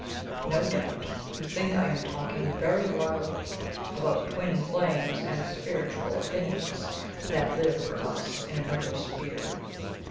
No doubt you think I am talking very wildly about Twin Flames and Spiritual Affinities that live for us in another sphere.